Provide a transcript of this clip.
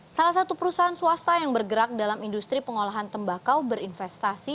salah satu perusahaan swasta yang bergerak dalam industri pengolahan tembakau berinvestasi